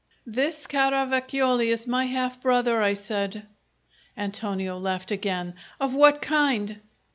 "This Caravacioli is my half brother," I said. Antonio laughed again. "Of what kind!"